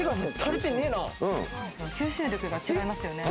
吸収力が違いますよね。